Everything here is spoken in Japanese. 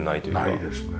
ないですね。